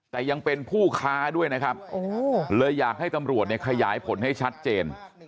แต่ยังเป็นผู้ค้าด้วยนะครับเลยอยากให้ตำรวจเนี่ยขยายผลให้ชัดเจน